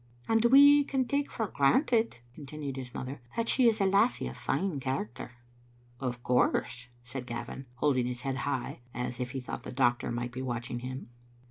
" And we can take for granted, " continued his mother, "that she is a lassie of fine character." "Of course," said Gavin, holding his head high, as if he thought the doctor might be watching him.